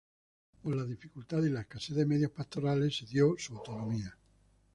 Por las dificultades y la escasez de medios pastorales se dio su autonomía.